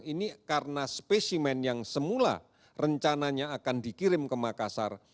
ini karena spesimen yang semula rencananya akan dikirim ke makassar